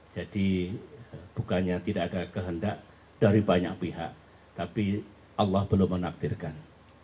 jadi bukannya tidak ada kehendak dari banyak pihak tapi allah belum menaktirkan